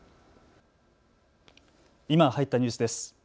今、入ったニュースです。